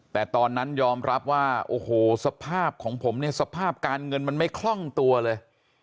แต่ตอนนั้นยอมรับว่าโอ้โหสภาพของผมเนี่ยสภาพการเงินมันไม่คล่องตัวเลย